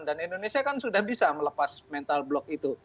dan indonesia kan sudah bisa melepas mental block itu